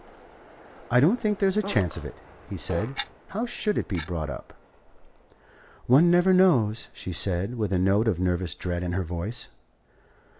"I don't think there's a chance of it," he said. "How should it be brought up?" "One never knows," she said, with a note of nervous dread in her voice.